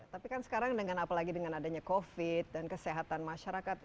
tapi kan sekarang dengan apalagi dengan adanya covid dan kesehatan masyarakat